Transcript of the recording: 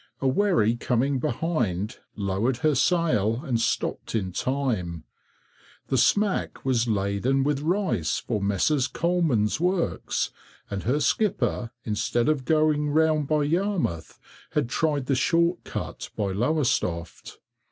A wherry coming behind lowered her sail, and stopped in time. The smack was laden with rice for Messrs. Colmans' Works, and her skipper, instead of going round by Yarmouth, had tried the short cut by Lowestoft.